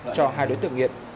cho hai đối tượng nghiện